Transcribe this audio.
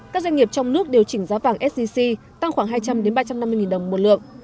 các doanh nghiệp trong nước điều chỉnh giá vàng sgc tăng khoảng hai trăm linh ba trăm năm mươi đồng một lượng